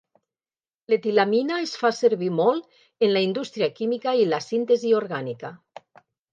L'etilamina es fa servir molt en la indústria química i la síntesi orgànica.